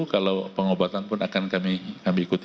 kalau pengobatan pun akan kami ikuti